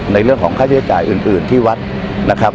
ในเรื่องของค่าใช้จ่ายอื่นที่วัดนะครับ